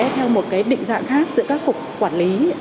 theo một cái định dạng khác giữa các cục quản lý